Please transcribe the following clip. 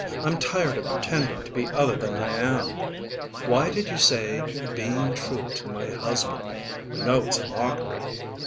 I'm tired of pretending to be other than I am. Why did you say 'being true to my husband'? You know it's mockery.